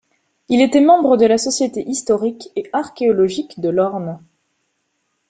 Il était membre de la Société historique et archéologique de l'Orne.